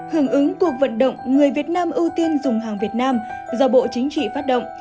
hưởng ứng cuộc vận động người việt nam ưu tiên dùng hàng việt nam do bộ chính trị phát động